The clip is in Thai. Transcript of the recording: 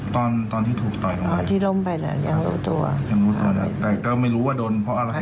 ตอนที่ถูกต่อย